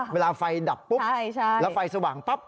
เวลาไฟดับปุ๊บแล้วไฟสว่างปั๊บ